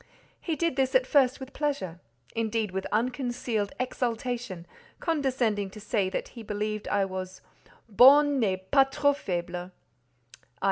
He did this at first with pleasure, indeed with unconcealed exultation, condescending to say that he believed I was "bonne et pas trop faible" (i.